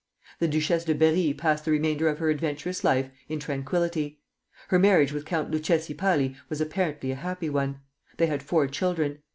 The Duchesse de Berri passed the remainder of her adventurous life in tranquillity. Her marriage with Count Luchesi Palli was apparently a happy one. They had four children.